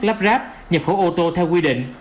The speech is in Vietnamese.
lắp ráp nhập khẩu ô tô theo quy định